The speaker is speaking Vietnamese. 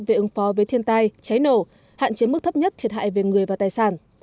về ứng phó với thiên tai cháy nổ hạn chế mức thấp nhất thiệt hại về người và tài sản